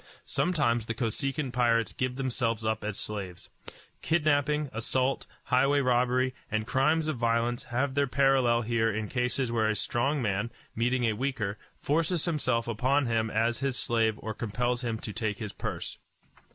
Sometimes the Kosekin pirates give themselves up as slaves. Kidnapping, assault, highway robbery, and crimes of violence have their parallel here in cases where a strong man, meeting a weaker, forces himself upon him as his slave or compels him to take his purse.